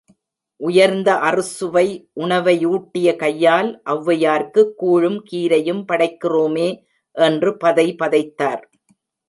உயர்ந்த அறுசுவை உணவை யூட்டிய கையால் ஒளவையார்க்குக் கூழும் கீரையும் படைக்கிறோமே என்று பதைபதைத்தார்.